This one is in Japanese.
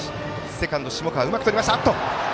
セカンド下川、うまくとりました。